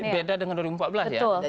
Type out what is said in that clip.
beda dengan dua ribu empat belas ya